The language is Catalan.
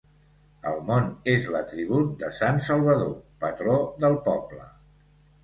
El món és l'atribut de sant Salvador, patró del poble.